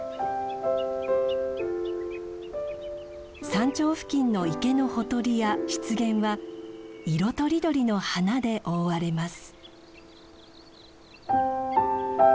山頂付近の池のほとりや湿原は色とりどりの花で覆われます。